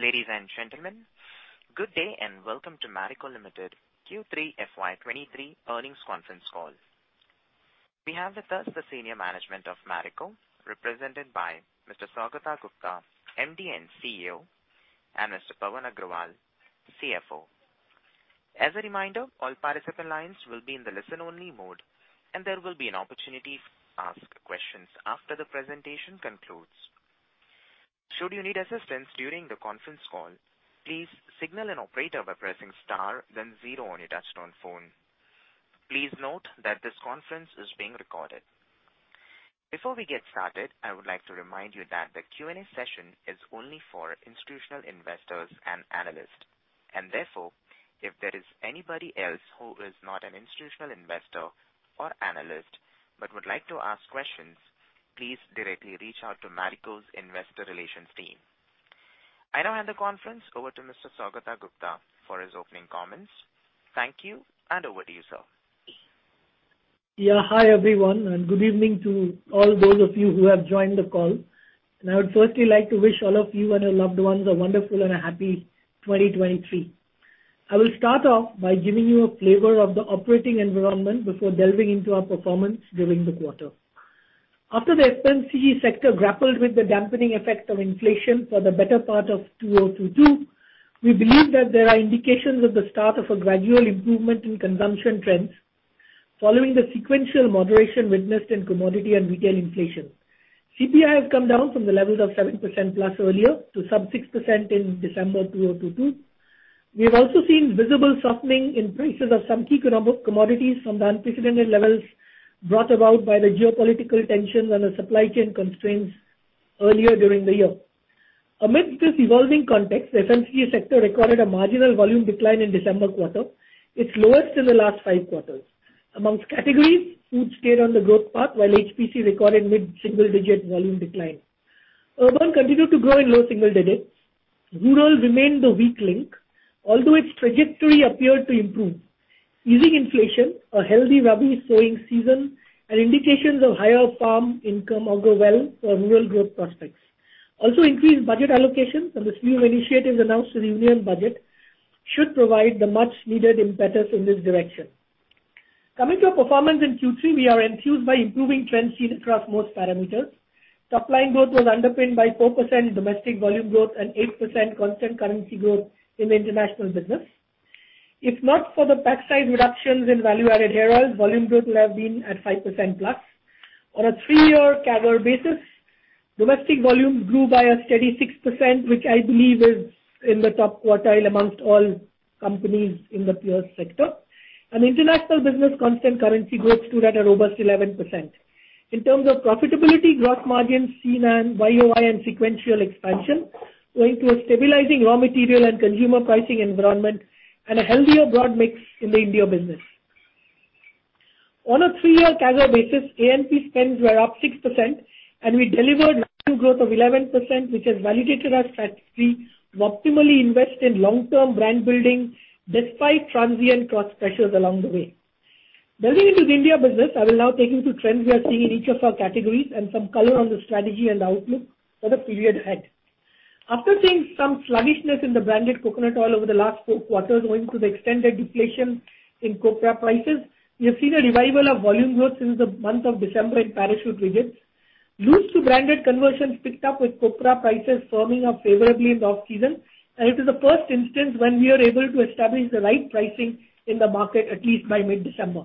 Ladies and gentlemen, good day, and welcome to Marico Limited Q3 FY23 earnings conference call. We have with us the senior management of Marico, represented by Mr. Saugata Gupta, MD and CEO, and Mr. Pawan Agrawal, CFO. As a reminder, all participant lines will be in the listen-only mode, and there will be an opportunity to ask questions after the presentation concludes. Should you need assistance during the conference call, please signal an operator by pressing star then zero on your touchtone phone. Please note that this conference is being recorded. Before we get started, I would like to remind you that the Q&A session is only for institutional investors and analysts. Therefore, if there is anybody else who is not an institutional investor or analyst but would like to ask questions, please directly reach out to Marico's investor relations team. I now hand the conference over to Mr. Saugata Gupta for his opening comments. Thank you. Over to you, sir. Yeah. Hi, everyone, and good evening to all those of you who have joined the call. I would firstly like to wish all of you and your loved ones a wonderful and a happy 2023. I will start off by giving you a flavor of the operating environment before delving into our performance during the quarter. After the FMCG sector grappled with the dampening effect of inflation for the better part of 2022, we believe that there are indications of the start of a gradual improvement in consumption trends following the sequential moderation witnessed in commodity and retail inflation. CPI has come down from the levels of +7% earlier to sub 6% in December 2022. We have also seen visible softening in prices of some key commodities from the unprecedented levels brought about by the geopolitical tensions and the supply chain constraints earlier during the year. Amidst this evolving context, the FMCG sector recorded a marginal volume decline in December quarter, its lowest in the last five quarters. Amongst categories, foods stayed on the growth path while HPC recorded mid-single digit volume decline. Urban continued to grow in low single digits. Rural remained the weak link, although its trajectory appeared to improve. Easing inflation, a healthy Rabi sowing season, and indications of higher farm income augur well for rural growth prospects. Increased budget allocation from the slew of initiatives announced in the union budget should provide the much needed impetus in this direction. Coming to our performance in Q3, we are enthused by improving trends seen across most parameters. Top line growth was underpinned by 4% domestic volume growth and 8% constant currency growth in the international business. If not for the pack size reductions in value-added hair oils, volume growth would have been at +5%. On a three-year CAGR basis, domestic volumes grew by a steady 6%, which I believe is in the top quartile amongst all companies in the peers sector. International business constant currency growth stood at a robust 11%. In terms of profitability, gross margins seen an year-over-year and sequential expansion, owing to a stabilizing raw material and consumer pricing environment and a healthier broad mix in the India business. On a three-year CAGR basis, A&P spends were up 6%, and we delivered revenue growth of 11%, which has validated our strategy to optimally invest in long-term brand building despite transient cost pressures along the way. Delving into the India business, I will now take you through trends we are seeing in each of our categories and some color on the strategy and outlook for the period ahead. After seeing some sluggishness in the branded coconut oil over the last four quarters owing to the extended deflation in copra prices, we have seen a revival of volume growth since the month of December in Parachute Rigid. Loose to branded conversions picked up with copra prices firming up favorably in the off season, and it is the first instance when we are able to establish the right pricing in the market at least by mid-December.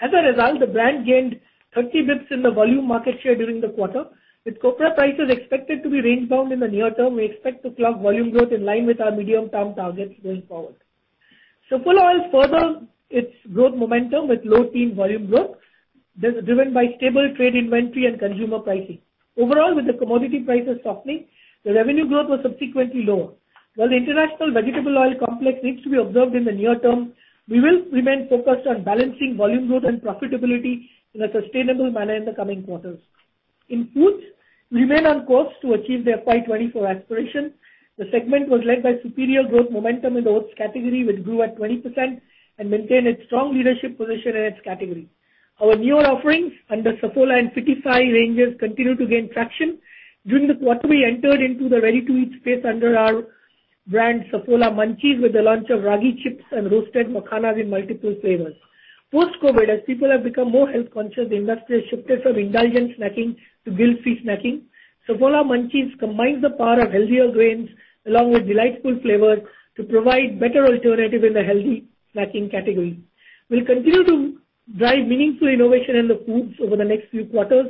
As a result, the brand gained 30 basis points in the volume market share during the quarter. With copra prices expected to be range bound in the near term, we expect to clock volume growth in line with our medium-term targets going forward. Saffola oils further its growth momentum with low teen volume growth, this driven by stable trade inventory and consumer pricing. With the commodity prices softening, the revenue growth was subsequently lower. The international vegetable oil complex needs to be observed in the near term, we will remain focused on balancing volume growth and profitability in a sustainable manner in the coming quarters. In foods, we remain on course to achieve the FY24 aspiration. The segment was led by superior growth momentum in the oats category, which grew at 20% and maintained its strong leadership position in its category. Our newer offerings under Saffola and FITTIFY ranges continue to gain traction. During the quarter, we entered into the ready-to-eat space under our brand Saffola Munchiez with the launch of ragi chips and roasted makhanas in multiple flavors. Post-COVID, as people have become more health-conscious, the industry has shifted from indulgent snacking to guilt-free snacking. Saffola Munchiez combines the power of healthier grains along with delightful flavors to provide better alternative in the healthy snacking category. We'll continue to drive meaningful innovation in the foods over the next few quarters,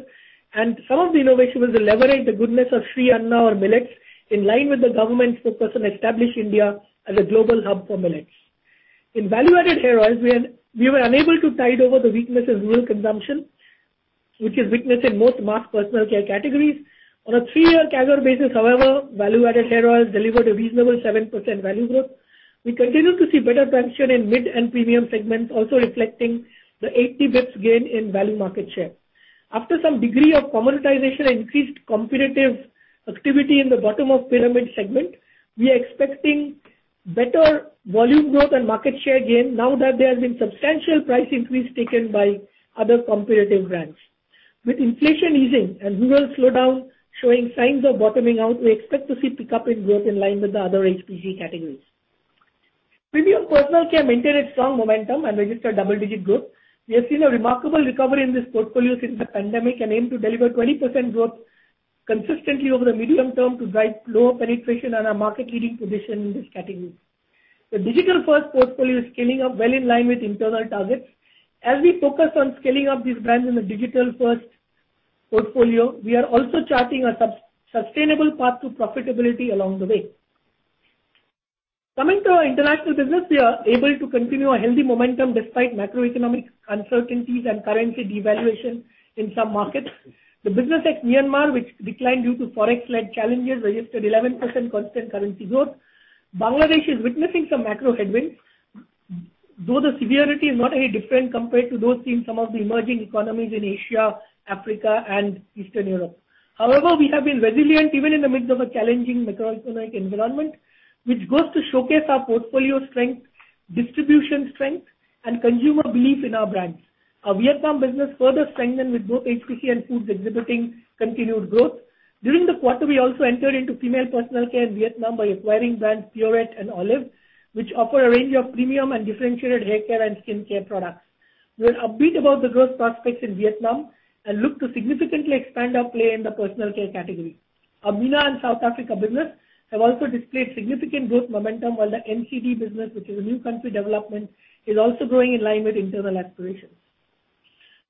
and some of the innovation will leverage the goodness of Shree Anna or millets, in line with the government's focus on establishing India as a global hub for millets. In Value Added Hair Oils, we were unable to tide over the weakness in rural consumption, which is witnessed in most mass personal care categories. On a three-year CAGR basis, however, Value Added Hair Oils delivered a reasonable 7% value growth. We continue to see better penetration in mid and premium segments, also reflecting the 80 basis points gain in value market share. After some degree of commoditization and increased competitive activity in the bottom of pyramid segment, we are expecting better volume growth and market share gain now that there has been substantial price increase taken by other competitive brands. With inflation easing and rural slowdown showing signs of bottoming out, we expect to see pickup in growth in line with the other HPC categories. Premium personal care maintained its strong momentum and registered double-digit growth. We have seen a remarkable recovery in this portfolio since the pandemic and aim to deliver 20% growth consistently over the medium term to drive lower penetration and our market-leading position in this category. The digital-first portfolio is scaling up well in line with internal targets. As we focus on scaling up these brands in the digital-first portfolio, we are also charting a sub-sustainable path to profitability along the way. Coming to our international business, we are able to continue a healthy momentum despite macroeconomic uncertainties and currency devaluation in some markets. The business at Myanmar, which declined due to Forex-led challenges, registered 11% constant currency growth. Bangladesh is witnessing some macro headwinds, though the severity is not any different compared to those seen some of the emerging economies in Asia, Africa, and Eastern Europe. We have been resilient even in the midst of a challenging macroeconomic environment, which goes to showcase our portfolio strength, distribution strength, and consumer belief in our brands. Our Vietnam business further strengthened with both HPC and Foods exhibiting continued growth. During the quarter, we also entered into female personal care in Vietnam by acquiring brands Purité de Prôvence and Ôliv, which offer a range of premium and differentiated haircare and skincare products. We are upbeat about the growth prospects in Vietnam and look to significantly expand our play in the personal care category. Our MENA and South Africa business have also displayed significant growth momentum while the NCD business, which is a new country development, is also growing in line with internal aspirations.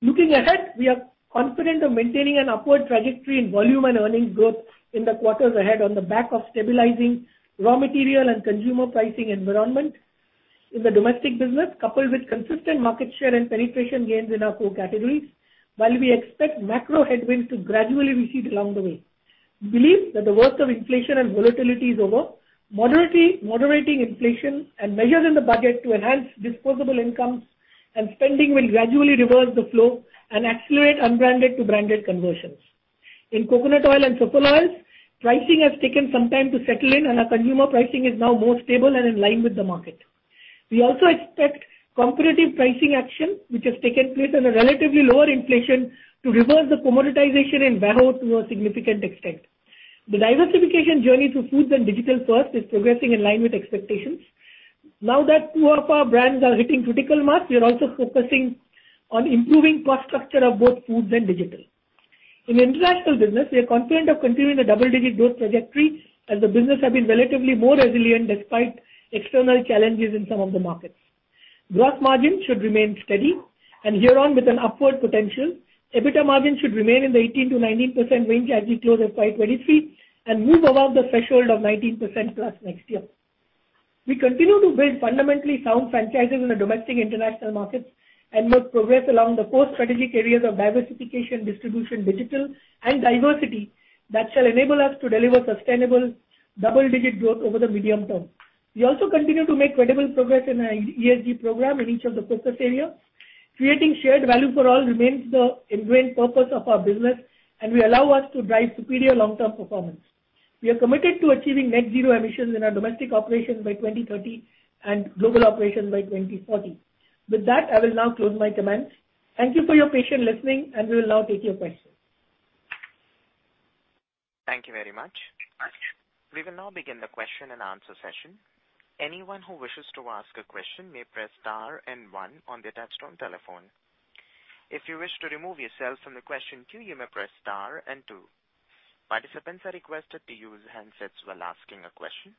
Looking ahead, we are confident of maintaining an upward trajectory in volume and earnings growth in the quarters ahead on the back of stabilizing raw material and consumer pricing environment in the domestic business, coupled with consistent market share and penetration gains in our four categories, while we expect macro headwinds to gradually recede along the way. We believe that the worst of inflation and volatility is over. Moderating inflation and measures in the budget to enhance disposable incomes and spending will gradually reverse the flow and accelerate unbranded to branded conversions. In coconut oil and Saffola oils, pricing has taken some time to settle in, and our consumer pricing is now more stable and in line with the market. We also expect competitive pricing action, which has taken place at a relatively lower inflation to reverse the commoditization in VAHO to a significant extent. The diversification journey through Foods and digital-first is progressing in line with expectations. Now that two of our brands are hitting critical mass, we are also focusing on improving cost structure of both Foods and digital. In international business, we are confident of continuing the double-digit growth trajectory as the business have been relatively more resilient despite external challenges in some of the markets. Gross margin should remain steady and herein with an upward potential. EBITDA margin should remain in the 18%-19% range as we close FY23 and move above the threshold of +19% next year. We continue to build fundamentally sound franchises in the domestic international markets and will progress along the four strategic areas of diversification, distribution, digital, and diversity that shall enable us to deliver sustainable double-digit growth over the medium term. We also continue to make credible progress in our ESG program in each of the focus areas. Creating shared value for all remains the ingrained purpose of our business, will allow us to drive superior long-term performance. We are committed to achieving net zero emissions in our domestic operations by 2030 and global operations by 2040. With that, I will now close my comments. Thank you for your patient listening, we will now take your questions. Thank you very much. We will now begin the question and answer session. Anyone who wishes to ask a question may press star one on the touchtone telephone. If you wish to remove yourself from the question queue, you may press star two. Participants are requested to use handsets while asking a question.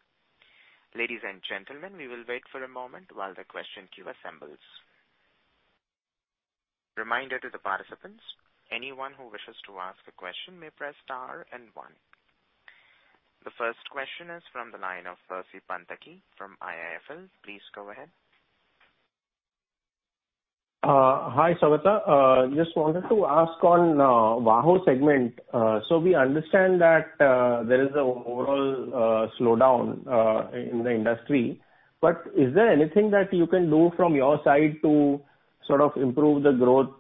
Ladies and gentlemen, we will wait for a moment while the question queue assembles. Reminder to the participants, anyone who wishes to ask a question may press star one. The first question is from the line of Percy Panthaki from IIFL. Please go ahead. Hi, Saugata. Just wanted to ask on VAHO segment. We understand that there is a overall slowdown in the industry. Is there anything that you can do from your side to sort of improve the growth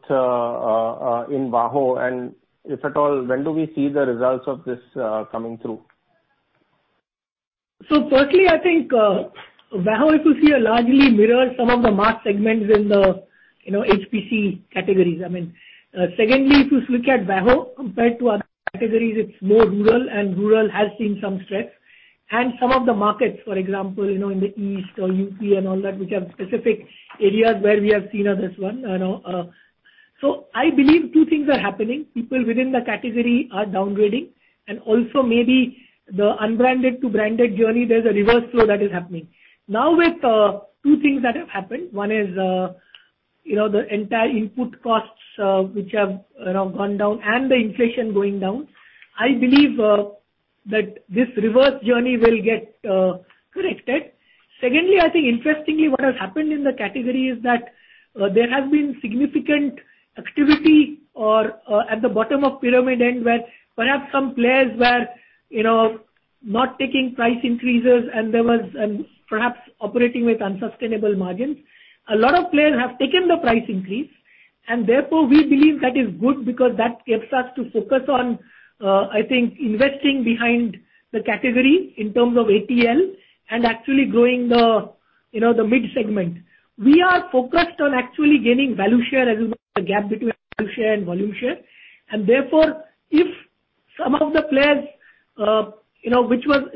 in VAHO? If at all, when do we see the results of this coming through? firstly, I think, VAHO if you see largely mirrors some of the mass segments in the, you know, HPC categories, I mean. Secondly, if you look at VAHO compared to other categories, it's more rural, and rural has seen some strengths. Some of the markets, for example, you know, in the East or UP and all that, which have specific areas where we have seen this one. You know, I believe two things are happening. People within the category are downgrading, and also maybe the unbranded to branded journey, there's a reverse flow that is happening. Now with two things that have happened. One is, you know, the entire input costs, which have, you know, gone down and the inflation going down. I believe that this reverse journey will get corrected. Secondly, I think interestingly what has happened in the category is that there has been significant activity or at the bottom of pyramid end where perhaps some players were, you know, not taking price increases and there was perhaps operating with unsustainable margins. A lot of players have taken the price increase. Therefore, we believe that is good because that helps us to focus on, I think investing behind the category in terms of ATL and actually growing the, you know, the mid-segment. We are focused on actually gaining value share as the gap between value share and volume share. Therefore, if some of the players, you know,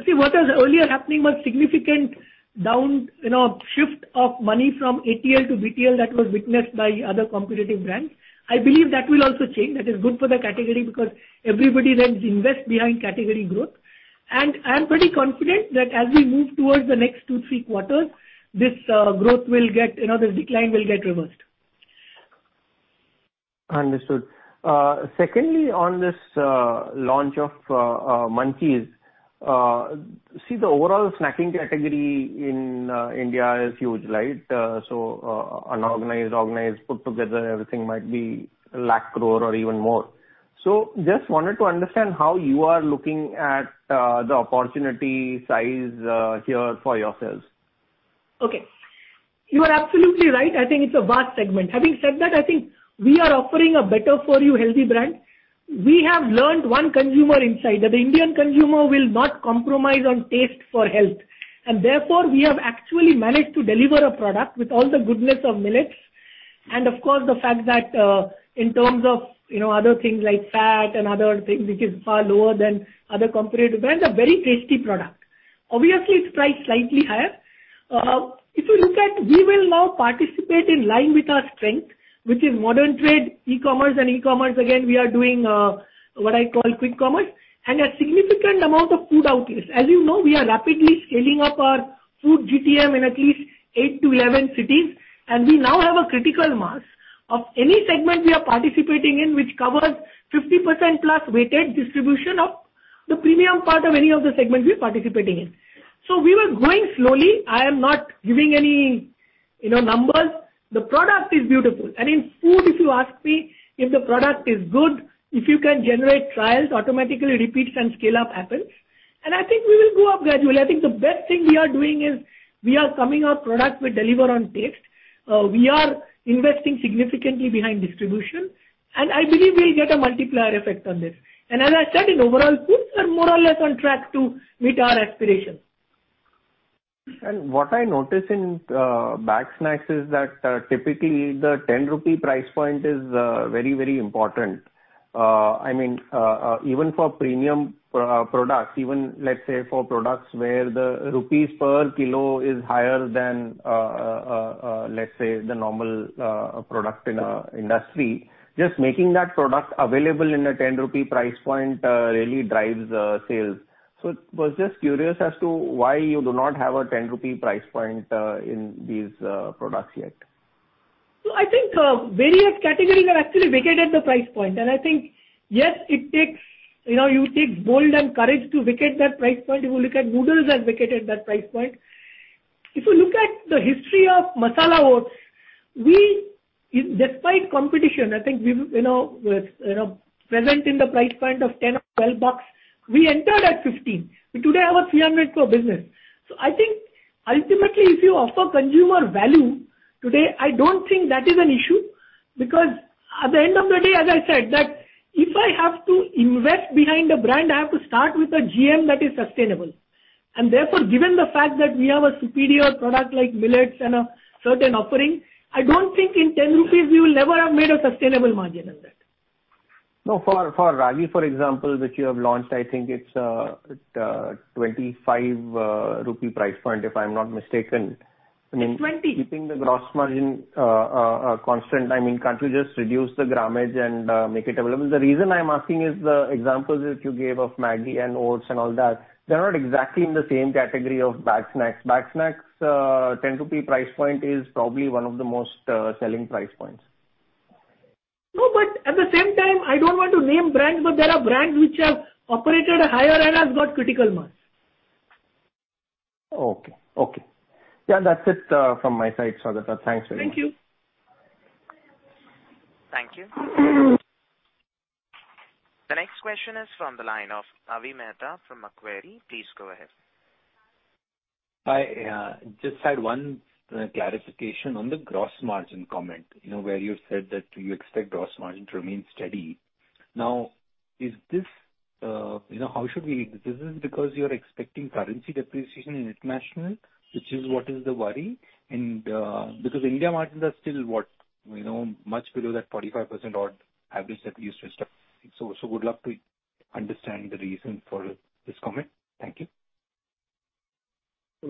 See, what was earlier happening was significant down, you know, shift of money from ATL to BTL that was witnessed by other competitive brands. I believe that will also change. That is good for the category because everybody then invest behind category growth. I'm pretty confident that as we move towards the next two, three quarters, this growth will get, you know, this decline will get reversed. Understood. Secondly, on this, launch of, Munchiez, see the overall snacking category in, India is huge, right? Unorganized, organized, put together everything might be 100,000 crore or even more. Just wanted to understand how you are looking at, the opportunity size, here for yourselves. Okay. You are absolutely right. I think it's a vast segment. Having said that, I think we are offering a better for you healthy brand. We have learned one consumer insight, that the Indian consumer will not compromise on taste for health. Therefore, we have actually managed to deliver a product with all the goodness of millets and of course, the fact that, in terms of, you know, other things like fat and other things, which is far lower than other competitive brands, a very tasty product. Obviously, it's priced slightly higher. If you look at we will now participate in line with our strength, which is modern trade, e-commerce and e-commerce, again, we are doing, what I call quick commerce and a significant amount of food outlets. As you know, we are rapidly scaling up our food GTM in at least eight to 11 cities. We now have a critical mass of any segment we are participating in, which covers 50% plus weighted distribution of the premium part of any of the segments we're participating in. We were growing slowly. I am not giving any, you know, numbers. The product is beautiful. In food, if you ask me if the product is good, if you can generate trials, automatically repeats and scale-up happens. I think we will go up gradually. I think the best thing we are doing is we are coming up products which deliver on taste. We are investing significantly behind distribution, and I believe we'll get a multiplier effect on this. As I said, in overall, foods are more or less on track to meet our aspirations. What I notice in bagged snacks is that typically the 10 rupee price point is very, very important. I mean, even for premium products, even let's say for products where the rupees per kilo is higher than let's say the normal product in industry, just making that product available in a 10 rupee price point really drives sales. Was just curious as to why you do not have a 10 rupee price point in these products yet. I think, various categories have actually vacated the price point and I think, yes, it takes, you know, you take bold and courage to vacate that price point. If you look at noodles has vacated that price point. If you look at the history of masala oats, we, despite competition, I think we've, you know, we're, you know, present in the price point of 10 or 12 bucks. We entered at 15. We today have a 300 crore business. I think ultimately, if you offer consumer value today, I don't think that is an issue because at the end of the day, as I said, that if I have to invest behind a brand, I have to start with a GM that is sustainable. Therefore, given the fact that we have a superior product like millets and a certain offering, I don't think in 10 rupees we will ever have made a sustainable margin on that. No, for ragi, for example, which you have launched, I think it's 25 rupee price point, if I'm not mistaken. It's 20. I mean, keeping the gross margin constant, I mean, can't you just reduce the grammage and make it available? The reason I'm asking is the examples which you gave of Maggi and oats and all that, they're not exactly in the same category of bagged snacks. Bagged snacks, 10 rupee price point is probably one of the most selling price points. At the same time, I don't want to name brands, but there are brands which have operated higher and have got critical mass. Okay. Okay. Yeah. That's it, from my side, Saugata. Thanks very much. Thank you. Thank you. The next question is from the line of Avi Mehta from Macquarie. Please go ahead. I just had one clarification on the gross margin comment, you know, where you said that you expect gross margin to remain steady. Is this because you're expecting currency depreciation in international, which is what is the worry? Because India margins are still what? You know, much below that 45% odd average that we used to expect. Would love to understand the reason for this comment. Thank you.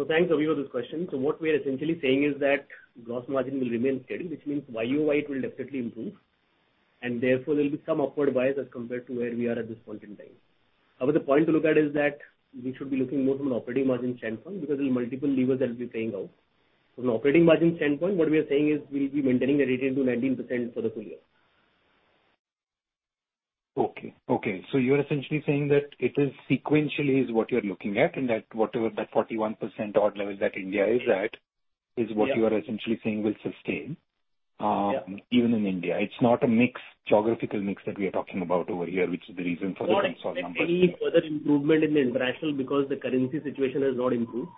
Thanks, Avi, for this question. What we are essentially saying is that gross margin will remain steady, which means YOY it will definitely improve and therefore there will be some upward bias as compared to where we are at this point in time. However, the point to look at is that we should be looking more from an operating margin standpoint because there are multiple levers that will be paying out. From an operating margin standpoint, what we are saying is we'll be maintaining the ratio to 19% for the full year. Okay. Okay. You're essentially saying that it is sequentially is what you're looking at, and that whatever that 41% odd level that India is at is what. Yeah. You are essentially saying will sustain... Yeah. Even in India. It's not a mix, geographical mix that we are talking about over here, which is the reason for the consolidated numbers. Not expect any further improvement in the international because the currency situation has not improved.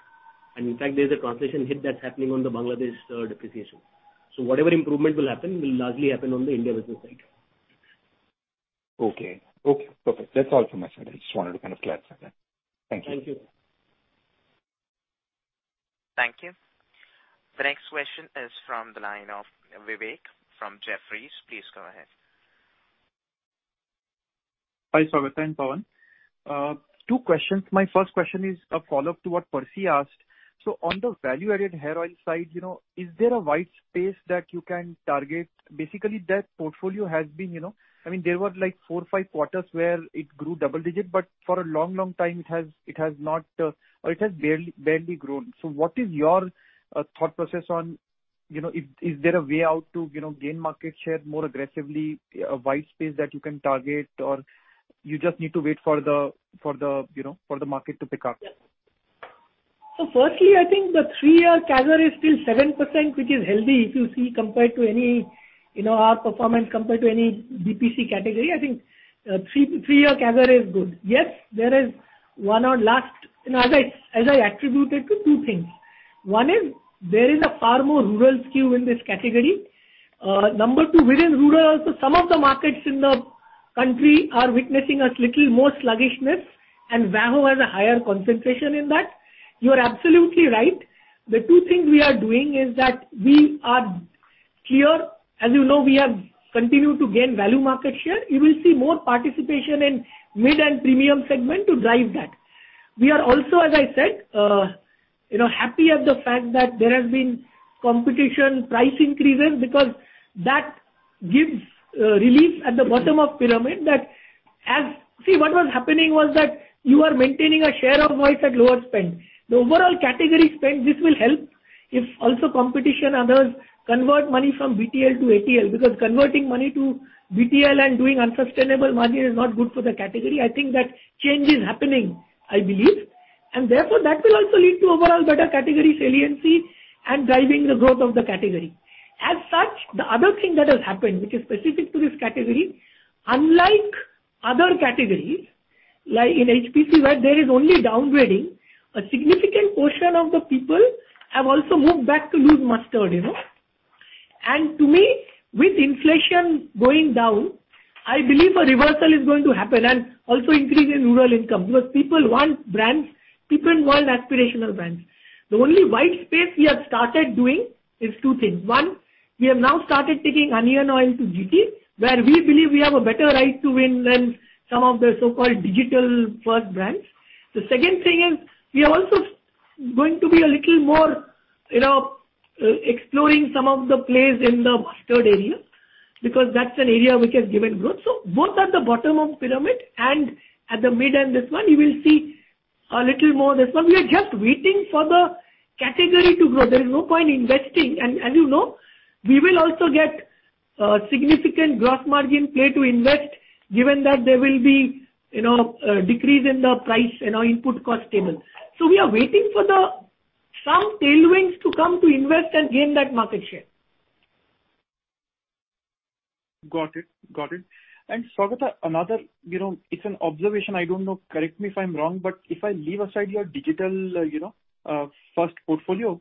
In fact, there's a translation hit that's happening on the Bangladesh depreciation. Whatever improvement will happen will largely happen on the India business side. Okay. Okay, perfect. That's all from my side. I just wanted to kind of clarify that. Thank you. Thank you. Thank you. The next question is from the line of Vivek from Jefferies. Please go ahead. Hi, Saugata and Pawan. Two questions. My first question is a follow-up to what Percy asked. On the value-added hair oil side, you know, is there a wide space that you can target? Basically, I mean, there were like four or five quarters where it grew double-digit, but for a long, long time it has not or it has barely grown. What is your thought process on, you know, is there a way out to, you know, gain market share more aggressively, a wide space that you can target, or you just need to wait for the, you know, for the market to pick up? Firstly, I think the three-year CAGR is still 7%, which is healthy if you see compared to any, you know, our performance compared to any BPC category. I think, three-year CAGR is good. Yes, there is one on last, you know, as I attributed to two things. One is there is a far more rural skew in this category. Number two, within rural also, some of the markets in the country are witnessing a little more sluggishness, and VAHO has a higher concentration in that. You are absolutely right. The two things we are doing is that we are clear. As you know, we have continued to gain value market share. You will see more participation in mid and premium segment to drive that. We are also, as I said, you know, happy at the fact that there has been competition price increases because that gives relief at the bottom of pyramid. What was happening was that you are maintaining a share of voice at lower spend. The overall category spend. This will help if also competition, others convert money from BTL to ATL, because converting money to BTL and doing unsustainable margin is not good for the category. I think that change is happening, I believe. Therefore, that will also lead to overall better category saliency and driving the growth of the category. As such, the other thing that has happened, which is specific to this category, unlike other categories, like in HPC where there is only downgrading, a significant portion of the people have also moved back to loose mustard, you know? To me, with inflation going down, I believe a reversal is going to happen and also increase in rural income because people want brands, people want aspirational brands. The only wide space we have started doing is two things. One, we have now started taking onion oil to GT, where we believe we have a better right to win than some of the so-called digital first brands. The second thing is we are also going to be a little more, you know, exploring some of the plays in the mustard area, because that's an area which has given growth. Both at the bottom of pyramid and at the mid and this one, you will see a little more of this one. We are just waiting for the category to grow. There is no point in investing. As you know, we will also get, significant gross margin play to invest, given that there will be, you know, decrease in the price, you know, input cost table. We are waiting for the some tailwinds to come to invest and gain that market share. Got it. Got it. Suagata, another, you know, it's an observation. I don't know, correct me if I'm wrong, but if I leave aside your digital, you know, first portfolio,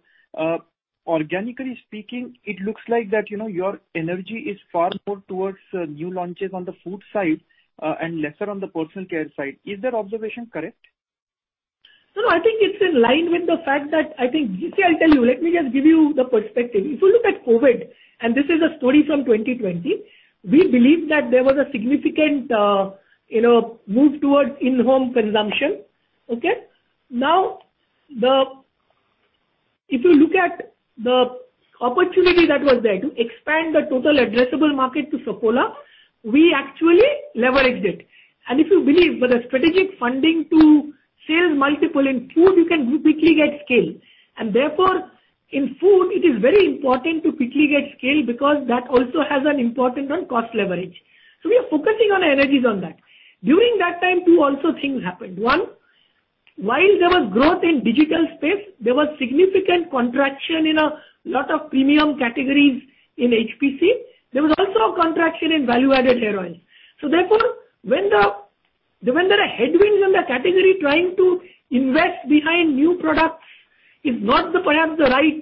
organically speaking, it looks like that, you know, your energy is far more towards new launches on the food side, and lesser on the personal care side. Is that observation correct? I think it's in line with the fact that, I think, I tell you, let me just give you the perspective. If you look at COVID, this is a story from 2020, we believe that there was a significant, you know, move towards in-home consumption. Okay? Now, if you look at the opportunity that was there to expand the total addressable market to Saffola, we actually leveraged it. If you believe with a strategic funding to sales multiple in food, you can quickly get scale. Therefore, in food it is very important to quickly get scale because that also has an impact on cost leverage. We are focusing our energies on that. During that time too, also things happened. One, while there was growth in digital space, there was significant contraction in a lot of premium categories in HPC. There was also a contraction in Value Added Hair Oils. Therefore, when there are headwinds on the category, trying to invest behind new products is not the perhaps the right,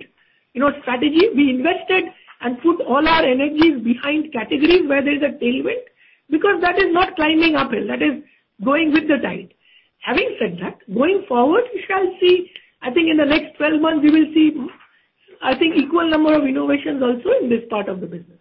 you know, strategy. We invested and put all our energies behind categories where there is a tailwind, because that is not climbing uphill, that is going with the tide. Having said that, going forward, we shall see, I think in the next 12 months, we will see, I think, equal number of innovations also in this part of the business.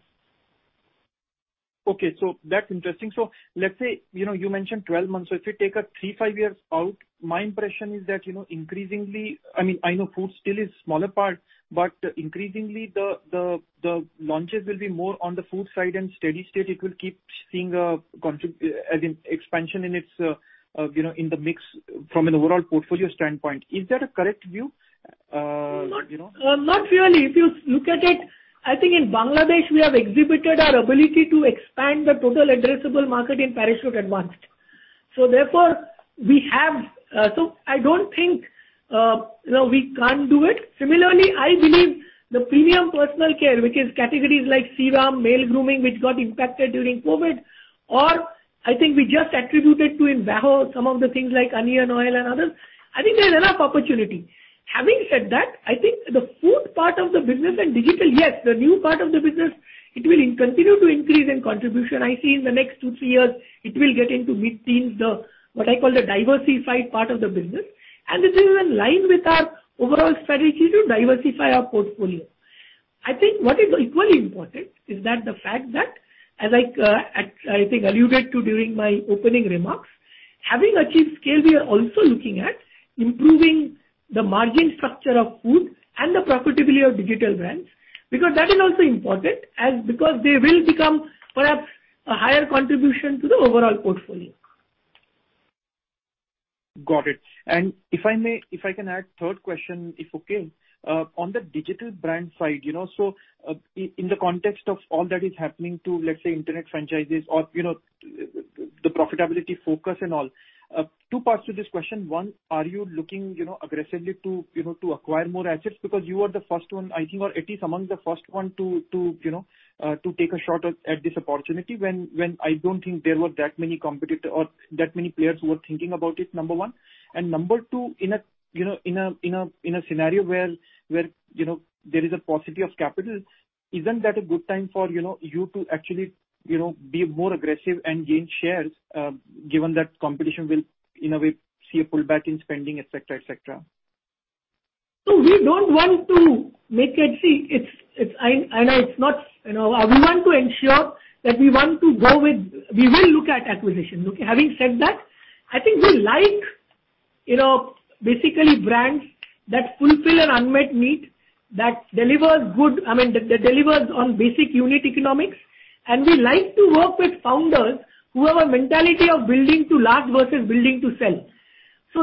Okay. That's interesting. Let's say, you know, you mentioned 12 months. If you take a three, five years out, my impression is that, you know, increasingly, I mean, I know food still is smaller part, but increasingly the, the launches will be more on the food side and steady state it will keep seeing as in expansion in its, you know, in the mix from an overall portfolio standpoint. Is that a correct view? You know. Not really. If you look at it, I think in Bangladesh, we have exhibited our ability to expand the total addressable market in Parachute Advansed. Therefore, we have... I don't think, you know, we can't do it. Similarly, I believe the premium personal care, which is categories like Serum, male grooming, which got impacted during COVID, or I think we just attributed to in VAHO some of the things like onion oil and others, I think there is enough opportunity. Having said that, I think the food part of the business and digital, yes, the new part of the business, it will continue to increase in contribution. I see in the next two, three years it will get into mid-teens, the, what I call the diversified part of the business. This is in line with our overall strategy to diversify our portfolio. I think what is equally important is that the fact that as I alluded to during my opening remarks, having achieved scale, we are also looking at improving the margin structure of food and the profitability of digital brands, because that is also important as because they will become perhaps a higher contribution to the overall portfolio. Got it. If I may, if I can add third question, if okay. On the digital brand side, you know, so, in the context of all that is happening to, let's say, internet franchises or, you know, the profitability focus and all, two parts to this question. One, are you looking, you know, aggressively to acquire more assets? Because you are the first one, I think, or at least among the first one to, you know, to take a shot at this opportunity when I don't think there were that many competitor or that many players who were thinking about it, number one. Number two, in a, you know, in a scenario where, you know, there is a paucity of capital, isn't that a good time for, you know, you to actually, you know, be more aggressive and gain shares, given that competition will, in a way, see a pullback in spending, et cetera, et cetera? We will look at acquisition. Okay. Having said that, I think we like, you know, basically brands that fulfill an unmet need, that delivers good, I mean, that delivers on basic unit economics. We like to work with founders who have a mentality of building to last versus building to sell.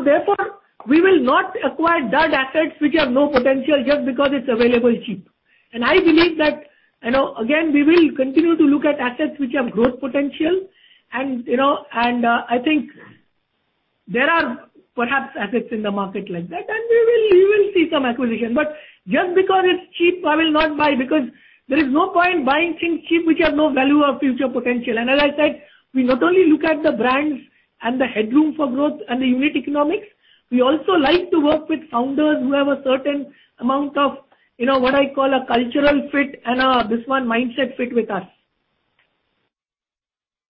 Therefore, we will not acquire dead assets which have no potential just because it's available cheap. I believe that, you know, again, we will continue to look at assets which have growth potential and, you know, and I think there are perhaps assets in the market like that, and we will see some acquisition. Just because it's cheap, I will not buy because there is no point buying things cheap which have no value or future potential. As I said, we not only look at the brands and the headroom for growth and the unit economics, we also like to work with founders who have a certain amount of, you know, what I call a cultural fit and a, this one, mindset fit with us.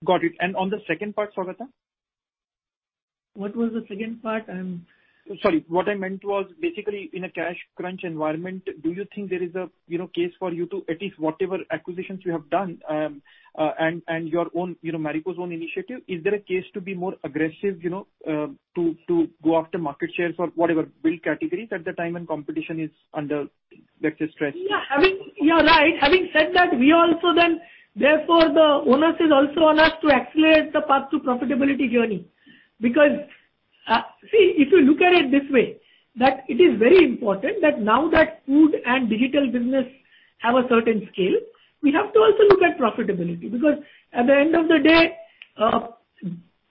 Got it. On the second part, Saugata? What was the second part? Sorry. What I meant was basically in a cash crunch environment, do you think there is a, you know, case for you to at least whatever acquisitions you have done, and your own, you know, Marico's own initiative, is there a case to be more aggressive, you know, to go after market shares or whatever build categories at the time when competition is under, let's say, stress? Yeah. You are right. Having said that, we also then, therefore, the onus is also on us to accelerate the path to profitability journey. Because if you look at it this way, that it is very important that now that food and digital business have a certain scale, we have to also look at profitability. Because at the end of the day,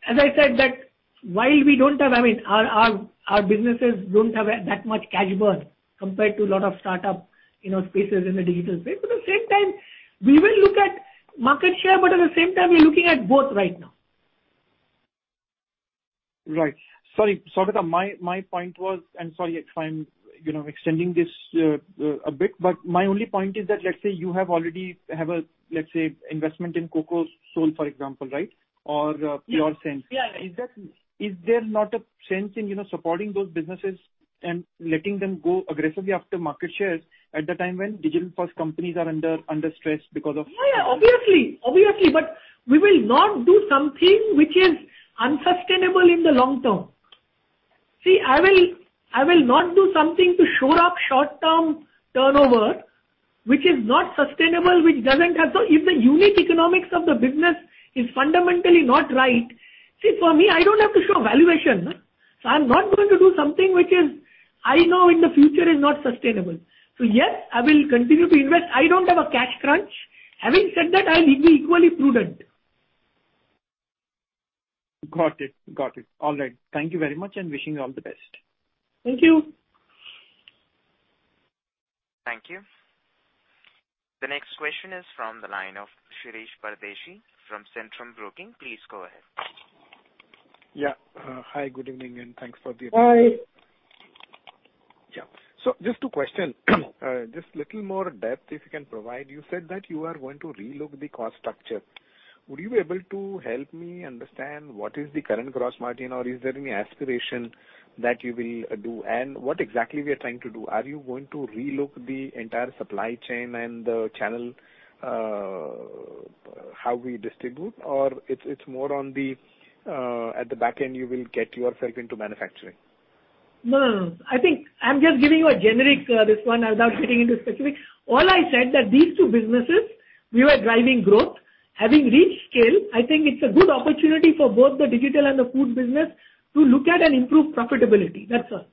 as I said that while we don't have, I mean, our, our businesses don't have that much cash burn compared to a lot of startup, you know, spaces in the digital space. At the same time, we will look at market share, but at the same time we're looking at both right now. Right. Sorry, Saugata, my point was, sorry if I'm, you know, extending this a bit, but my only point is that let's say you already have a, let's say, investment in Coco Soul, for example, right? Or Pure Sense. Yeah. Is there not a sense in, you know, supporting those businesses and letting them go aggressively after market shares at the time when digital-first companies are under stress because of. Yeah. Obviously. Obviously. We will not do something which is unsustainable in the long term. See, I will not do something to show up short-term turnover which is not sustainable, which doesn't have the... If the unit economics of the business is fundamentally not right... See, for me, I don't have to show valuation. I'm not going to do something which is I know in the future is not sustainable. Yes, I will continue to invest. I don't have a cash crunch. Having said that, I'll be equally prudent. Got it. All right. Thank you very much, and wishing you all the best. Thank you. Thank you. The next question is from the line of Shirish Pardeshi from Centrum Broking. Please go ahead. Yeah. Hi, good evening, and thanks for. Hi. Yeah. Just two questions. Just a little more depth if you can provide. You said that you are going to relook the cost structure. Would you be able to help me understand what is the current gross margin or is there any aspiration that you will do? What exactly we are trying to do? Are you going to relook the entire supply chain and the channel, how we distribute? It's more on the, at the back end you will get yourself into manufacturing? No, no. I think I'm just giving you a generic response without getting into specifics. All I said that these two businesses we were driving growth. Having reached scale, I think it's a good opportunity for both the digital and the food business to look at and improve profitability. That's all.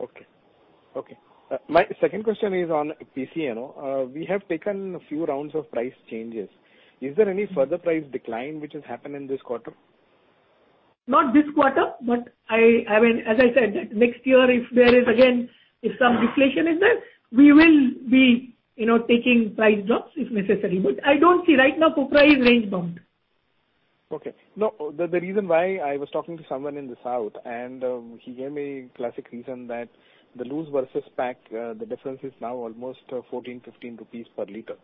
Okay. Okay. My second question is on PCNO. We have taken a few rounds of price changes. Is there any further price decline which has happened in this quarter? Not this quarter, but I mean, as I said that next year if there is again, if some deflation is there, we will be, you know, taking price drops if necessary. I don't see right now, copra is range bound. No, the reason why I was talking to someone in the South and he gave me classic reason that the loose versus pack, the difference is now almost 14-15 rupees per liter.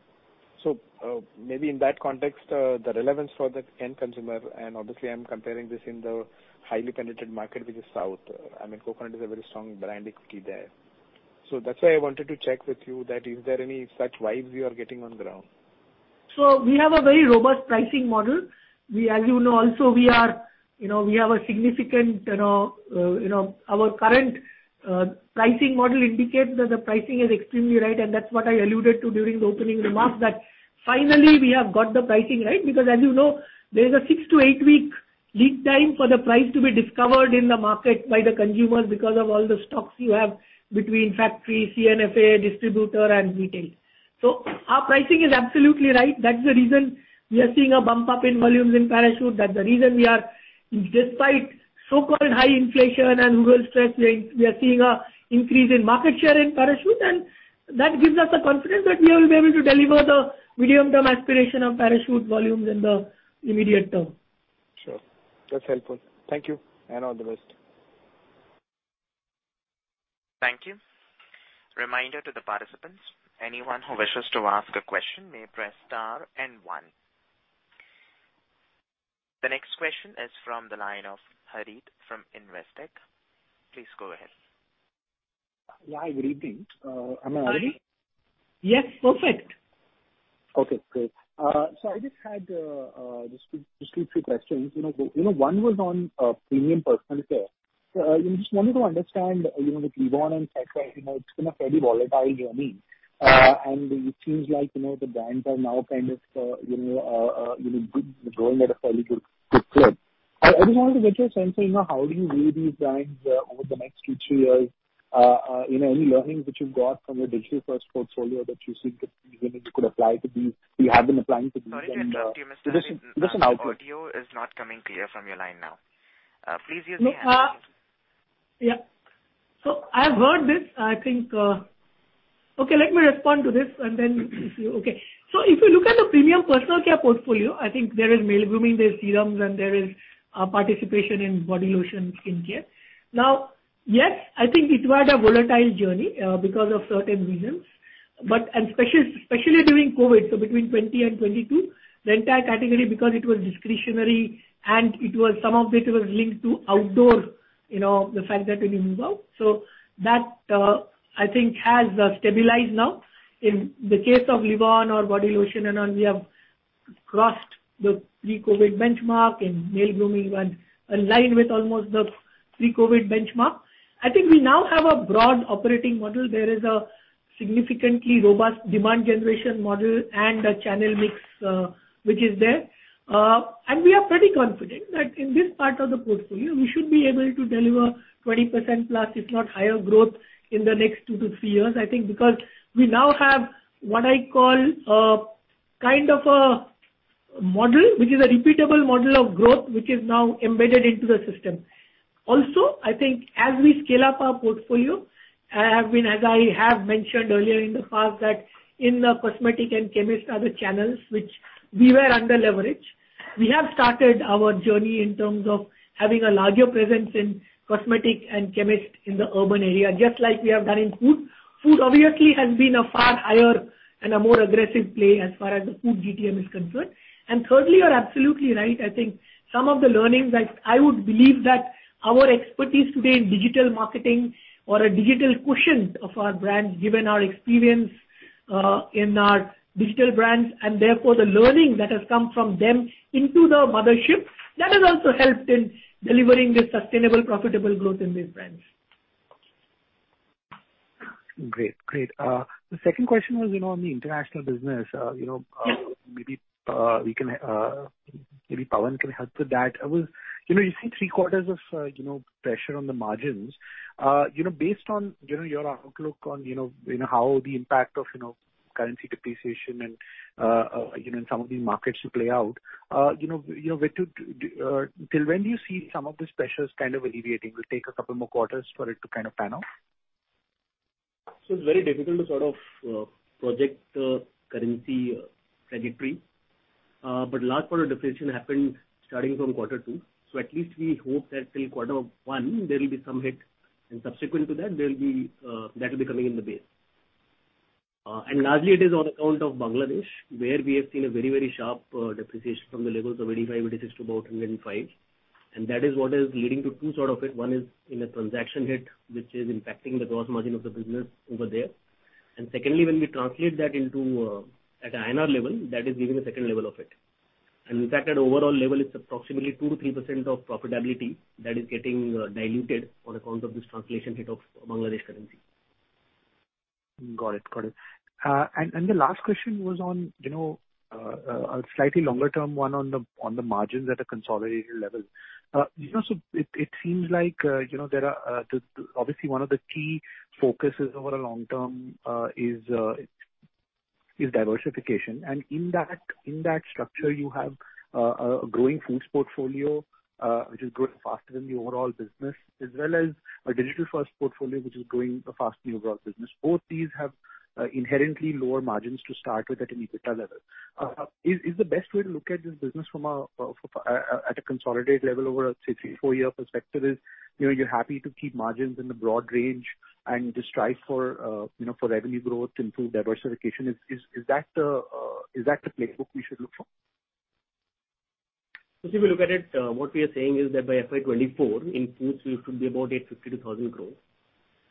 Maybe in that context, the relevance for that end consumer and obviously I'm comparing this in the highly penetrated market, which is South. I mean, coconut is a very strong brand equity there. That's why I wanted to check with you that is there any such vibes you are getting on ground. We have a very robust pricing model. We as you know also we are, you know, we have a significant, you know, our current pricing model indicates that the pricing is extremely right, and that's what I alluded to during the opening remarks, that finally we have got the pricing right. As you know, there is a six to eight week lead time for the price to be discovered in the market by the consumers because of all the stocks you have between factory, C&FA, distributor and retail. Our pricing is absolutely right. That's the reason we are seeing a bump up in volumes in Parachute. That's the reason we are despite so-called high inflation and rural stress, we are seeing a increase in market share in Parachute, and that gives us the confidence that we will be able to deliver the medium-term aspiration of Parachute volumes in the immediate term. Sure. That's helpful. Thank you, and all the best. Thank you. Reminder to the participants. Anyone who wishes to ask a question may press star and one. The next question is from the line of Harit from Investec. Please go ahead. Yeah, good evening. Harit? Yes, perfect. Okay, great. I just had, just two, three questions. You know, you know, one was on premium personal care. I just wanted to understand, you know, with Livon and Set Wet, you know, it's been a fairly volatile journey. It seems like, you know, the brands are now kind of, you know, growing at a fairly good clip. I just wanted to get your sense on, you know, how do you view these brands, over the next two, three years? You know, any learnings which you've got from your digital first portfolio that you think could apply to these? You have been applying to these and, just an outlook. Sorry to interrupt you, Mr. Harit. Your audio is not coming clear from your line now. Please use the. No. Yeah. I've heard this. I think. Okay, let me respond to this and then see, okay. If you look at the premium personal care portfolio, I think there is male grooming, there is serums, and there is participation in body lotion, skincare. Yes, I think it was a volatile journey because of certain reasons, but especially during COVID, between 2020 and 2022, the entire category because it was discretionary and it was some of it was linked to outdoor, you know, the fact that we move out. That I think has stabilized now. In the case of Livon or body lotion and on, we have crossed the pre-COVID benchmark in male grooming and aligned with almost the pre-COVID benchmark. I think we now have a broad operating model. There is a significantly robust demand generation model and a channel mix, which is there. We are pretty confident that in this part of the portfolio, we should be able to deliver +20% if not higher growth in the next two to three years. I think because we now have what I call a kind of a model, which is a repeatable model of growth, which is now embedded into the system. I think as we scale up our portfolio, I mean, as I have mentioned earlier in the past, that in the cosmetic and chemist are the channels which we were under leveraged. We have started our journey in terms of having a larger presence in cosmetic and chemist in the urban area, just like we have done in food. Food obviously has been a far higher and a more aggressive play as far as the food DTM is concerned. Thirdly, you're absolutely right. I think some of the learnings, I would believe that our expertise today in digital marketing or a digital quotient of our brands, given our experience in our digital brands and therefore the learning that has come from them into the mothership, that has also helped in delivering this sustainable, profitable growth in these brands. Great. Great. The second question was, you know, on the international business. Yes. Maybe we can maybe Pawan can help with that. You know, you see three-quarters of, you know, pressure on the margins. You know, based on, you know, your outlook on, you know, how the impact of, you know, currency depreciation and, you know, in some of these markets you play out, you know, where do till when do you see some of these pressures kind of alleviating? Will it take a couple more quarters for it to kind of pan out? It's very difficult to sort of project the currency trajectory. Large part of depreciation happened starting from quarter two. At least we hope that till quarter one, there will be some hit, and subsequent to that, there will be that will be coming in the base. Largely it is on account of Bangladesh, where we have seen a very, very sharp depreciation from the levels of 85, 86 to about 105. That is what is leading to two sort of hit. One is in a transaction hit, which is impacting the gross margin of the business over there. Secondly, when we translate that into at INR level, that is giving a second level of hit. In fact, that overall level is approximately 2% to 3% of profitability that is getting diluted on account of this translation hit of Bangladesh currency. Got it. Got it. The last question was on, you know, a slightly longer term one on the margins at a consolidation level. You know, it seems like, you know, there are obviously one of the key focuses over a long term is diversification. And in that structure, you have a growing foods portfolio, which is growing faster than the overall business, as well as a digital-first portfolio, which is growing faster than the overall business. Both these have inherently lower margins to start with at an EBITDA level Is the best way to look at this business from a consolidated level over a say three, four-year perspective is, you know, you're happy to keep margins in the broad range and just strive for, you know, for revenue growth to improve diversification. Is that the, is that the playbook we should look for? If you look at it, what we are saying is that by FY24, in foods we should be about 85-2,000 growth.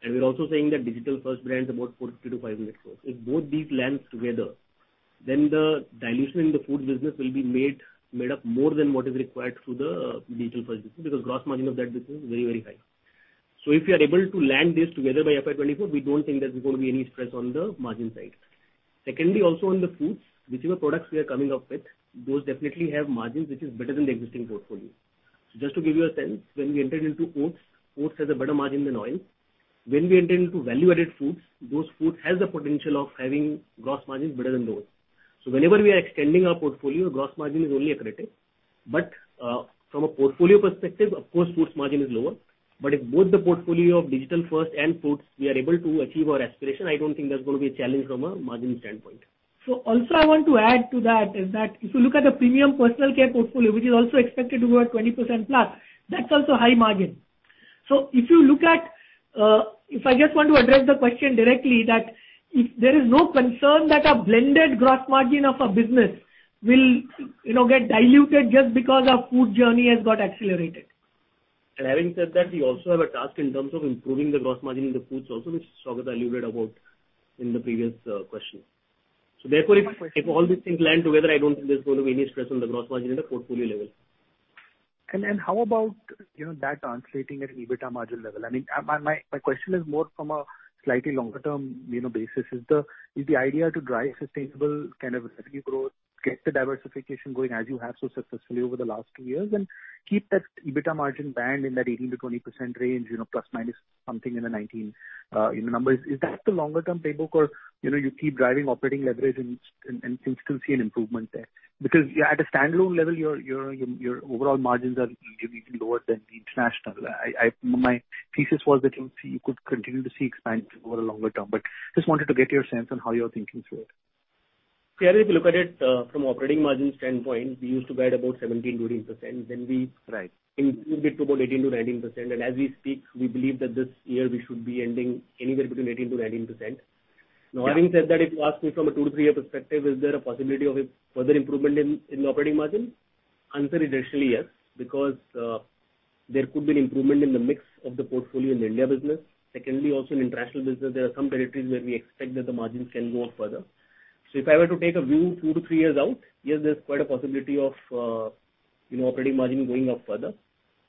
We're also saying that digital first brand is about 42-500 growth. If both these land together, then the dilution in the food business will be made up more than what is required through the digital first business, because gross margin of that business is very, very high. If you are able to land this together by FY24, we don't think there's going to be any stress on the margin side. Secondly, also on the foods, whichever products we are coming up with, those definitely have margins which is better than the existing portfolio. Just to give you a sense, when we entered into oats has a better margin than oil. When we entered into value-added foods, those foods has the potential of having gross margins better than those. Whenever we are extending our portfolio, gross margin is only accretive. From a portfolio perspective, of course, foods margin is lower. If both the portfolio of digital first and foods, we are able to achieve our aspiration, I don't think there's going to be a challenge from a margin standpoint. Also I want to add to that is that if you look at the premium personal care portfolio, which is also expected to grow at +20%, that's also high margin. If you look at, if I just want to address the question directly that if there is no concern that a blended gross margin of a business will, you know, get diluted just because our food journey has got accelerated. Having said that, we also have a task in terms of improving the gross margin in the foods also, which Saugata alluded about in the previous question. Therefore, if all these things land together, I don't think there's going to be any stress on the gross margin at the portfolio level. How about, you know, that translating at an EBITDA margin level? I mean, my question is more from a slightly longer term, you know, basis. Is the idea to drive sustainable kind of revenue growth, get the diversification going as you have so successfully over the last two years, and keep that EBITDA margin band in that 18%-20% range, you know, plus minus something in the 19 in the numbers? Is that the longer term playbook or, you know, you keep driving operating leverage and can still see an improvement there? At a standalone level, your overall margins are even lower than the international. My thesis was that you could continue to see expansion over the longer term, just wanted to get your sense on how you're thinking through it. Clearly, if you look at it, from operating margin standpoint, we used to guide about 17% to 18%, then. Right. Improved it to about 18%-19%. As we speak, we believe that this year we should be ending anywhere between 18%-19%. Having said that, if you ask me from a two to three-year perspective, is there a possibility of a further improvement in the operating margin? Answer is actually yes, because there could be an improvement in the mix of the portfolio in the India business. Secondly, also in international business, there are some territories where we expect that the margins can go up further. If I were to take a view to to three years out, yes, there's quite a possibility of, you know, operating margin going up further.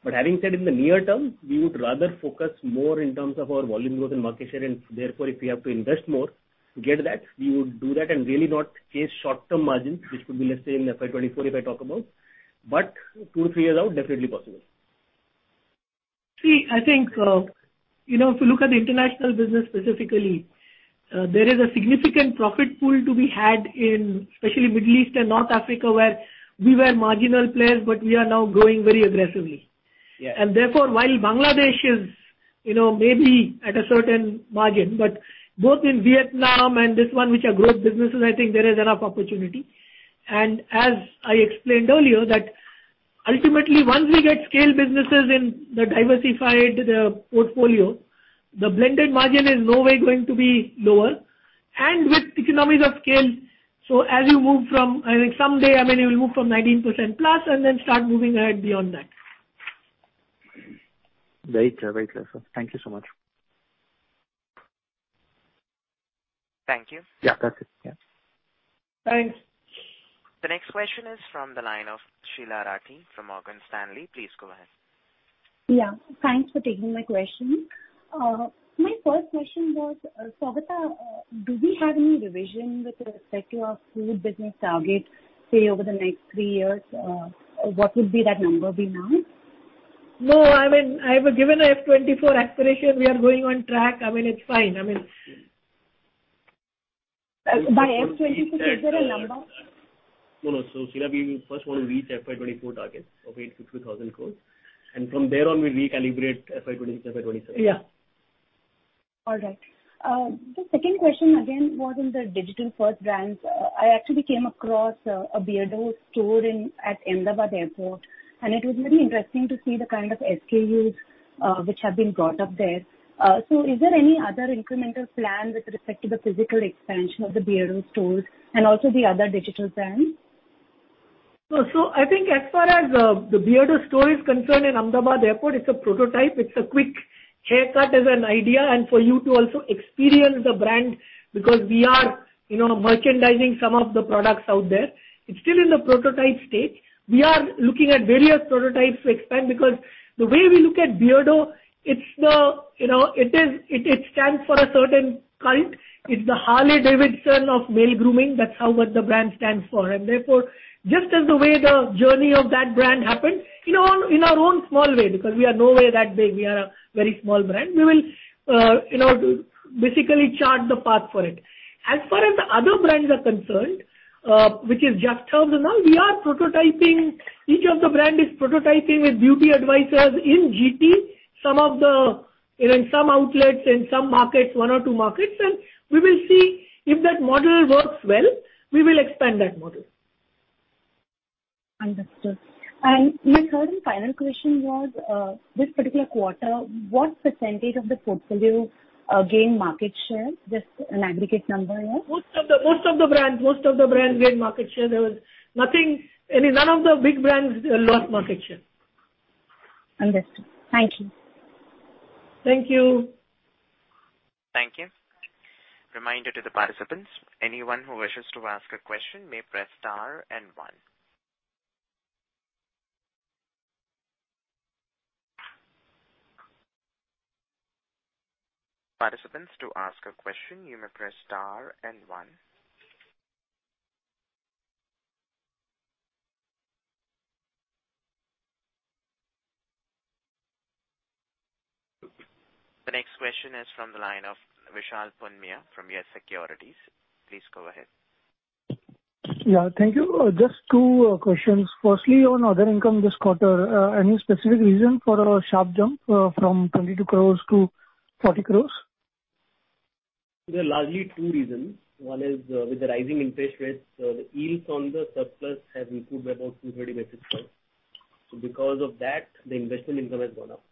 Having said in the near term, we would rather focus more in terms of our volume growth and market share, and therefore if we have to invest more to get that, we would do that and really not chase short-term margins, which could be let's say in the FY24 if I talk about. Two to three years out, definitely possible. See, I think, you know, if you look at the international business specifically, there is a significant profit pool to be had in especially Middle East and North Africa, where we were marginal players, but we are now growing very aggressively. Yeah. Therefore, while Bangladesh is, you know, maybe at a certain margin, but both in Vietnam and this one, which are growth businesses, I think there is enough opportunity. As I explained earlier that ultimately once we get scale businesses in the diversified portfolio, the blended margin is no way going to be lower and with economies of scale. As you move from, I think someday, I mean, you will move from 19% plus and then start moving ahead beyond that. Very clear. Very clear, sir. Thank you so much. Thank you. Yeah. That's it. Yeah. Thanks. The next question is from the line of Sheela Rathi from Morgan Stanley. Please go ahead. Thanks for taking my question. My first question was, Saugata, do we have any revision with respect to our food business target, say, over the next three years? What would be that number be now? No, I mean, I have given a FY24 aspiration. We are going on track. I mean, it's fine. I mean... By FY24, is there a number? No, no. Sheila, we first want to reach FY24 target of 85-2,000 crores. From there on, we recalibrate FY26, FY27. Yeah. All right. The second question again was in the digital first brands. I actually came across, a Beardo store at Ahmedabad Airport, and it was very interesting to see the kind of SKUs which have been brought up there. Is there any other incremental plan with respect to the physical expansion of the Beardo stores and also the other digital brands? I think as far as the Beardo store is concerned in Ahmedabad Airport, it's a prototype. It's a quick haircut as an idea and for you to also experience the brand because we are, you know, merchandising some of the products out there. It's still in the prototype stage. We are looking at various prototypes to expand because the way we look at Beardo, you know, it stands for a certain cult. It's the Harley-Davidson of male grooming. That's how, what the brand stands for. Therefore, just as the way the journey of that brand happened, in our own small way, because we are no way that big, we are a very small brand. We will, you know, basically chart the path for it. As far as the other brands are concerned. Which is Just Herbs. Now we are prototyping. Each of the brand is prototyping with beauty advisors in GT, some of the, you know, in some outlets, in some markets, one or two markets. We will see if that model works well, we will expand that model. Understood. My third and final question was, this particular quarter, what percentage of the portfolio gained market share? Just an aggregate number here. Most of the brands gained market share. There was nothing. I mean, none of the big brands lost market share. Understood. Thank you. Thank you. Thank you. Reminder to the participants, anyone who wishes to ask a question may press star and one. Participants, to ask a question, you may press star and one. The next question is from the line of Vishal Punmiya from YES Securities. Please go ahead. Thank you. Just two questions. Firstly, on other income this quarter, any specific reason for a sharp jump from 22 crores to 40 crores? There are largely two reasons. One is, with the rising interest rates, the yields on the surplus have improved by about 200 basis points. Because of that the investment income has gone up.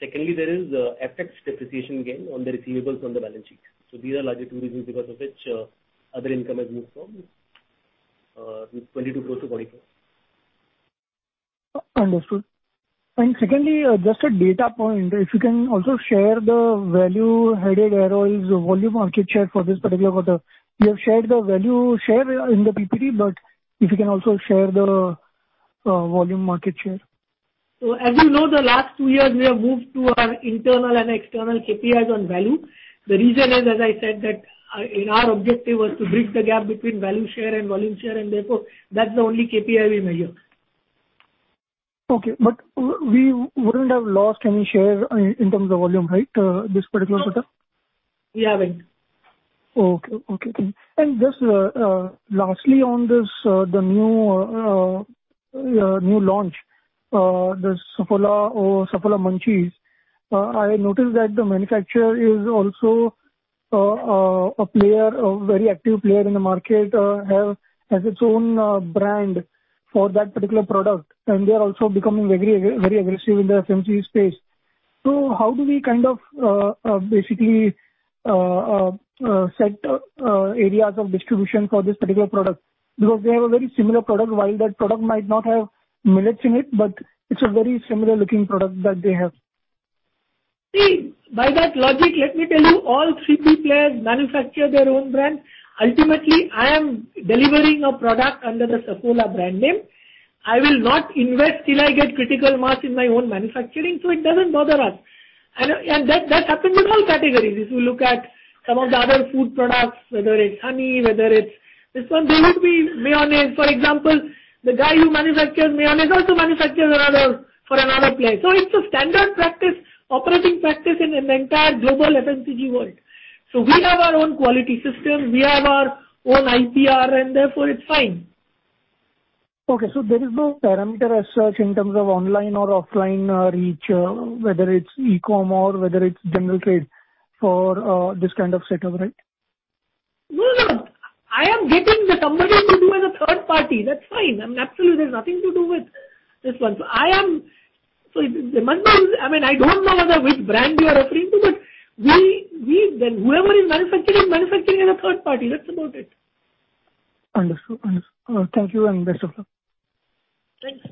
Secondly, there is, FX depreciation gain on the receivables on the balance sheet. These are largely two reasons because of which, other income has moved from 22 crores to 40 crores. Understood. Secondly, just a data point, if you can also share the value headed aerosols volume market share for this particular quarter? You have shared the value share in the PPT, but if you can also share the volume market share? As you know, the last two years we have moved to our internal and external KPIs on value. The reason is, as I said, that our objective was to bridge the gap between value share and volume share, that's the only KPI we measure. Okay. We wouldn't have lost any share in terms of volume, right? This particular quarter. We haven't. Okay. Okay, thank you. Just, lastly on this, the new launch, the Saffola or Saffola Munchiez, I noticed that the manufacturer is also a player, a very active player in the market, has its own brand for that particular product, and they are also becoming very, very aggressive in the FMCG space. How do we kind of, basically, set areas of distribution for this particular product? They have a very similar product. While that product might not have millets in it, but it's a very similar looking product that they have. See, by that logic, let me tell you, all CPG players manufacture their own brand. Ultimately, I am delivering a product under the Saffola brand name. I will not invest till I get critical mass in my own manufacturing, so it doesn't bother us. That happened with all categories. If you look at some of the other food products, whether it's honey, whether it's this one, there would be mayonnaise, for example, the guy who manufactures mayonnaise also manufactures another for another player. It's a standard practice, operating practice in an entire global FMCG world. We have our own quality system, we have our own IPR and therefore it's fine. Okay, there is no parameter as such in terms of online or offline, reach, whether it's e-com or whether it's general trade for this kind of setup, right? No, no. I am getting the commodity to do as a third party. That's fine. I mean, absolutely there's nothing to do with this one. The demand now is, I mean, I don't know which brand you are referring to, but we, then whoever is manufacturing is manufacturing as a third party. That's about it. Understood. Understood. Thank you and best of luck. Thanks.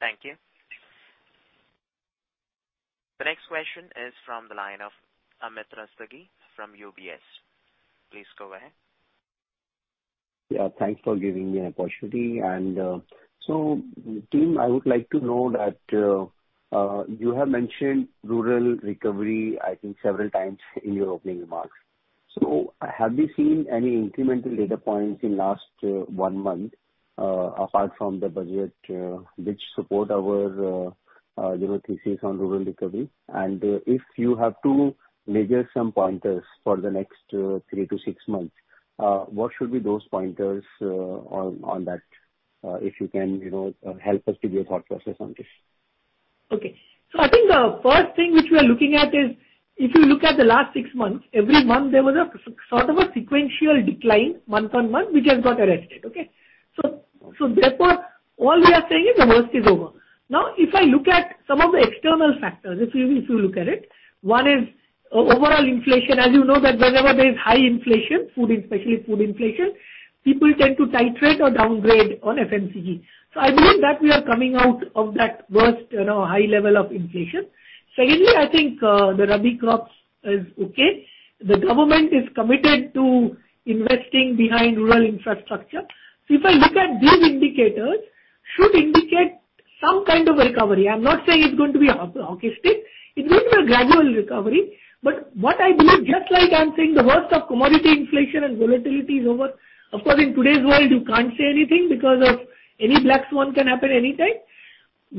Thank you. The next question is from the line of Amit Sachdeva from UBS. Please go ahead. Yeah, thanks for giving me an opportunity. Team, I would like to know that, you have mentioned rural recovery, I think, several times in your opening remarks. Have you seen any incremental data points in last one month, apart from the budget, which support our, you know, thesis on rural recovery? If you have to measure some pointers for the next three to six months, what should be those pointers on that? If you can, you know, help us to give a thought process on this. Okay. I think the first thing which we are looking at is if you look at the last six months, every month there was a sort of a sequential decline month-on-month, which has got arrested. Okay? Therefore, all we are saying is the worst is over. If I look at some of the external factors, if you look at it, one is overall inflation. As you know that whenever there is high inflation, food especially food inflation, people tend to titrate or downgrade on FMCG. I believe that we are coming out of that worst, you know, high level of inflation. Secondly, I think the Rabi crops is okay. The government is committed to investing behind rural infrastructure. If I look at these indicators should indicate some kind of a recovery. I'm not saying it's going to be harsh stick. It may be a gradual recovery. What I believe, just like I'm saying the worst of commodity inflation and volatility is over. Of course, in today's world you can't say anything because of any black swan can happen anytime.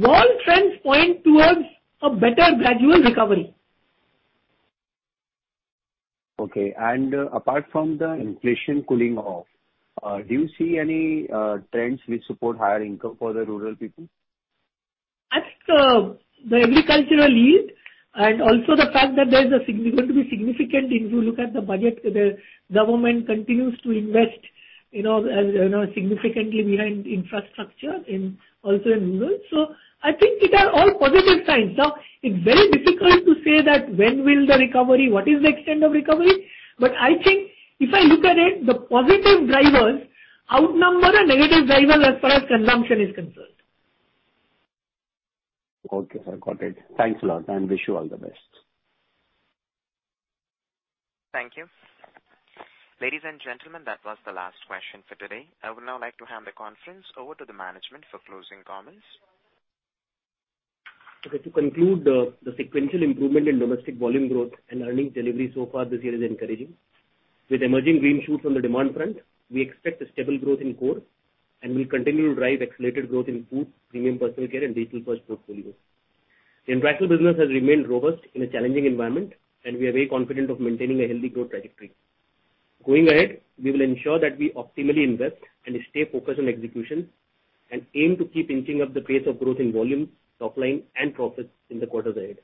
All trends point towards a better gradual recovery. Okay. apart from the inflation cooling off, do you see any trends which support higher income for the rural people? I think, the agricultural yield and also the fact that there's a going to be significant if you look at the budget, the government continues to invest, you know, you know, significantly behind infrastructure in, also in rural. I think it are all positive signs. It's very difficult to say that when will the recovery, what is the extent of recovery? I think if I look at it, the positive drivers outnumber the negative drivers as far as consumption is concerned. Okay, sir. Got it. Thanks a lot. Wish you all the best. Thank you. Ladies and gentlemen, that was the last question for today. I would now like to hand the conference over to the management for closing comments. To conclude, the sequential improvement in domestic volume growth and earnings delivery so far this year is encouraging. With emerging green shoots on the demand front, we expect a stable growth in core and will continue to drive accelerated growth in food, premium personal care and digital first portfolios. The international business has remained robust in a challenging environment, and we are very confident of maintaining a healthy growth trajectory. Going ahead, we will ensure that we optimally invest and stay focused on execution and aim to keep inching up the pace of growth in volumes, top line and profits in the quarters ahead.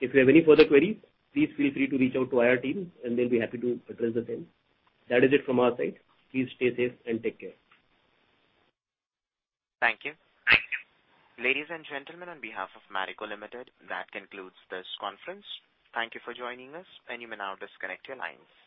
If you have any further queries, please feel free to reach out to our team and they'll be happy to address the same. That is it from our side. Please stay safe and take care. Thank you. Ladies and gentlemen, on behalf of Marico Limited, that concludes this conference. Thank you for joining us. You may now disconnect your lines.